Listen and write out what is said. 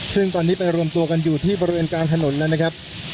ซึ่งตอนนี้ไปรวมตัวกันอยู่ที่บริเวณกลางถนนแล้วนะครับ